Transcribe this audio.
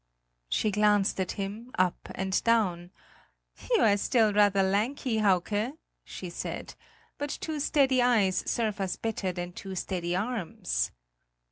She glanced at him, up and down: "You are still rather lanky, Hauke!" she said, "but two steady eyes serve us better than two steady arms!"